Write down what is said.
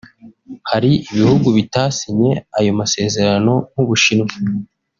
Hari ibihugu bitasinye ayo masezerano nk’u Bushinwa